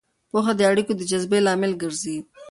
پوهه د اړیکو د جذبې لامل ګرځي.